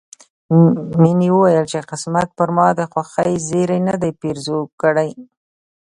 مينې وويل چې قسمت پر ما د خوښۍ زيری نه دی پيرزو کړی